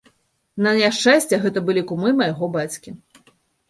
На няшчасце, гэта былі кумы майго бацькі.